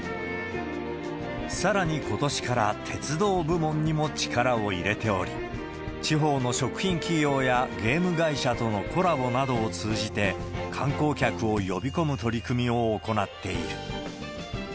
さらに、ことしから鉄道部門にも力を入れており、地方の食品企業やゲーム会社とのコラボなどを通じて、観光客を呼び込む取り組みを行っている。